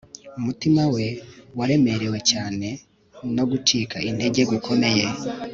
umutima we waremerewe cyane no gucika integer gukomeye